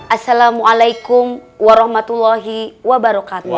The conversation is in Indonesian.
assalamualaikum warahmatullahi wabarakatuh